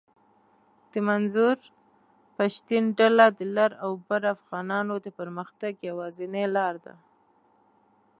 د منظور پشتین ډله د لر اوبر افغانانو د پرمختګ یواځنۍ لار ده